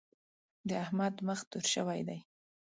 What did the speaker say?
د احمد مخ تور شوی دی.